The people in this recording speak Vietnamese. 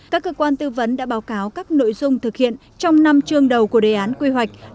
các cơ quan tư vấn đã báo cáo các nội dung thực hiện trong năm chương đầu của đề án quy hoạch